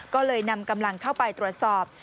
ก็เลยนำกำลังเข้าไปตรวจสอบ